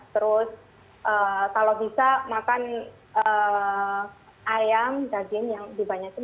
terus kalau bisa makan ayam daging yang dibanyakin